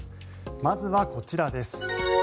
まずはこちらです。